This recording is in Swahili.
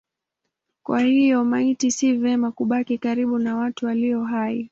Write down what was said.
Kwa hiyo maiti si vema kubaki karibu na watu walio hai.